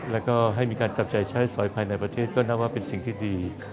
แล้วก็ให้มีการจับจ่ายใช้สอยภายในประเทศก็นับว่าเป็นสิ่งที่ดี